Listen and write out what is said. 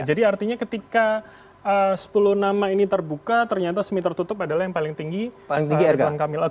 jadi artinya ketika sepuluh nama ini terbuka ternyata semi tertutup adalah yang paling tinggi rk